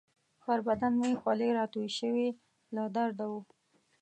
پر بدن مې خولې راتویې شوې، له درده وو.